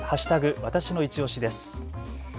わたしのいちオシです。